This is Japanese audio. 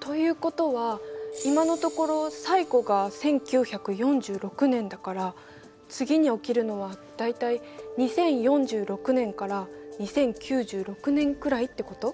ということは今のところ最後が１９４６年だから次に起きるのは大体２０４６年から２０９６年くらいってこと？